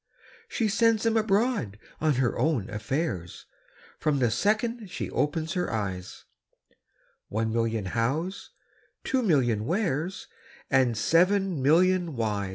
She sends 'em abroad on her own affairs, From the second she opens her eyes One million Hows, two million Wheres, And seven million Whys!